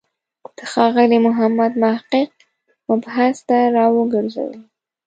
د ښاغلي محمد محق مبحث ته راوګرځو.